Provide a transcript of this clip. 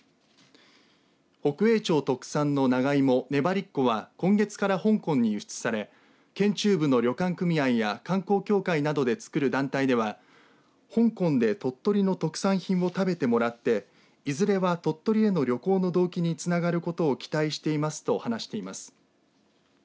北栄町特産の長芋、ねばりっこは今月から香港に輸出され県中部の旅館組合や観光協会などでつくる団体では香港で鳥取の特産品を食べてもらっていずれは鳥取への旅行の動機につながることを期待していますと話しています。